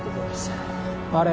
あれ